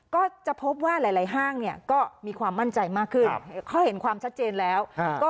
ก็จะพบว่าหลายห้างเนี่ยก็มีความมั่นใจมากขึ้นเขาเห็นความชัดเจนแล้วก็